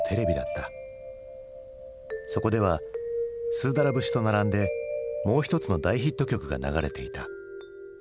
そこでは「スーダラ節」と並んでもう一つの大ヒット曲が流れていた。